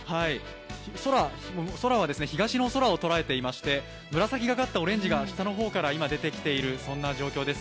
空は東の空を捉えていまして紫ががかったオレンジが下の方から今、出てきている状況です。